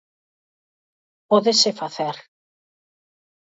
Pódese facer.